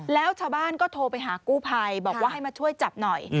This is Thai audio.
แล้วชาวบ้านก็โทรไปหากู้ภัยบอกว่าให้มาช่วยจับหน่อย